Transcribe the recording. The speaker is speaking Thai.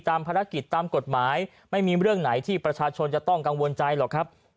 ภารกิจตามกฎหมายไม่มีเรื่องไหนที่ประชาชนจะต้องกังวลใจหรอกครับ